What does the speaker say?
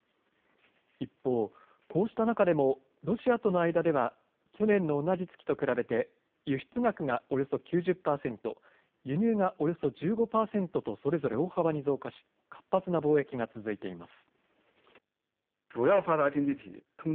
一方、こうした中でもロシアとの間では去年の同じ月と比べて輸出額がおよそ９０％、輸入がおよそ１５％とそれぞれ大幅に増加し活発な貿易が続いています。